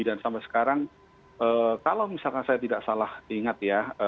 dan sampai sekarang kalau misalkan saya tidak salah ingat ya